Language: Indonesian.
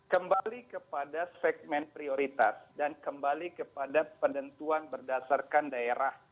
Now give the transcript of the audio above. kembali kepada segmen prioritas dan kembali kepada penentuan berdasarkan daerah